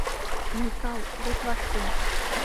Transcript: Микал, луд вашке!